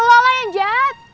lo lah yang jahat